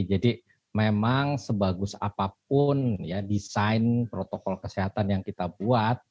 jadi memang sebagus apapun ya desain protokol kesehatan yang kita buat